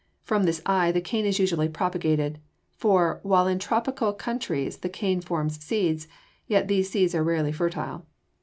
From this eye the cane is usually propagated; for, while in tropical countries the cane forms seeds, yet these seeds are rarely fertile.